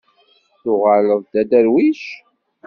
Tuɣaleḍ d aderwic?